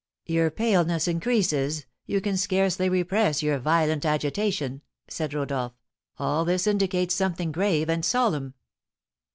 "Your paleness increases, you can scarcely repress your violent agitation," said Rodolph; "all this indicates something grave and solemn."